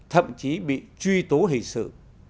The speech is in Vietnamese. thậm chí bị truy tố hình sự